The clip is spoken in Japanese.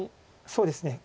そうですね。